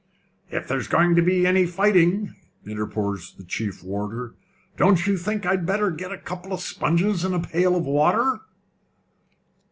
"If there's goin' to be any fighting," interposed the chief warder, "don't you think I'd better get a couple of sponges and a pail of water?"